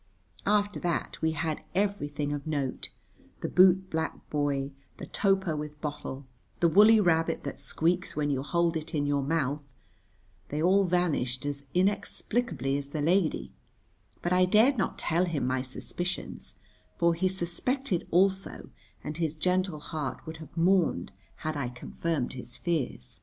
After that we had everything of note, the bootblack boy, the toper with bottle, the woolly rabbit that squeaks when you hold it in your mouth; they all vanished as inexplicably as the lady, but I dared not tell him my suspicions, for he suspected also and his gentle heart would have mourned had I confirmed his fears.